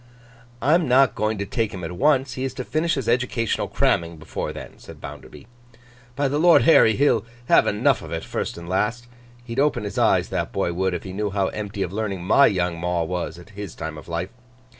'I'm not going to take him at once; he is to finish his educational cramming before then,' said Bounderby. 'By the Lord Harry, he'll have enough of it, first and last! He'd open his eyes, that boy would, if he knew how empty of learning my young maw was, at his time of life.